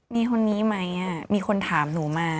มีคนนี้ไหมมีคนถามหนูมา